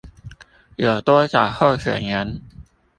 有多少候選人